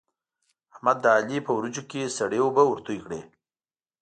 احمد د علي په وريجو کې سړې اوبه ورتوی کړې.